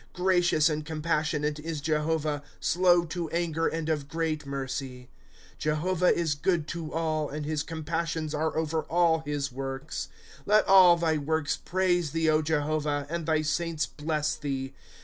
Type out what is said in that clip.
^ Gracious and compassionate is Jehovah ; Slow to anger, and of great mercy, * Jehovah is good to all, And his compassions are over all his works. ^^ Let all thy works praise thee, Jehovah, And thy saints bless thee.